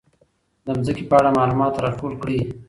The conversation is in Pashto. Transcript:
د ځمکې په اړه معلومات راټول کړئ.